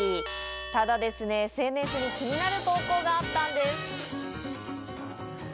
ただですね、ＳＮＳに気になる投稿があったんです。